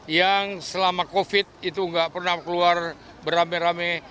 yang selama covid itu nggak pernah keluar beramai ramai